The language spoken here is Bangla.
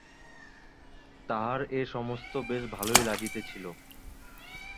তাহার এ-সমস্ত বেশ ভালোই লাগিতেছিল।